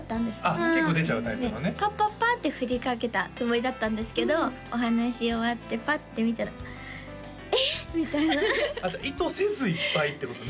あっ結構出ちゃうタイプのねでパパパッて振りかけたつもりだったんですけどお話し終わってパッて見たらええっみたいなじゃあ意図せずいっぱいってことね？